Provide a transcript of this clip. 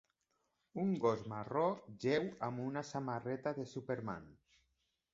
Un gos marró jeu amb una samarreta de Superman.